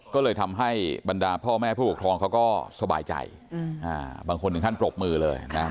ก็เลยทำให้บรรดาพ่อแม่ผู้ปกครองเขาก็สบายใจบางคนถึงขั้นปรบมือเลยนะ